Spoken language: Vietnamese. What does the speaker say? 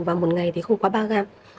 và một ngày thì không quá ba g